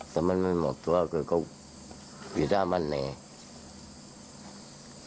ถ้ามันไม่มอบตัวก็คือเขาผิดสามันเนี่ย